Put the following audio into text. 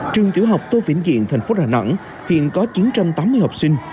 trường tiểu học tô vĩnh diện thành phố đà nẵng hiện có chín trăm tám mươi học sinh